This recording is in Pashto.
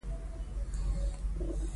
ملت په خپل هیواد کې واک او اختیار ولري.